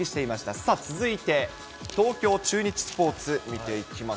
さあ、続いて、東京中日スポーツ、見ていきます。